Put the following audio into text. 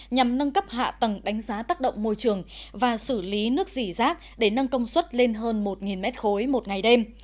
nhằm nâng cấp hạ tầng đánh giá tác động môi trường và xử lý nước dỉ rác để nâng công suất lên hơn một m ba một ngày đêm